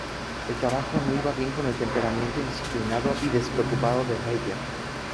El trabajo no iba bien con el temperamento indisciplinado y despreocupado de Reyer.